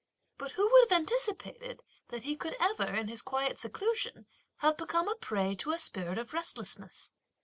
But who would have anticipated that he could ever in his quiet seclusion have become a prey to a spirit of restlessness?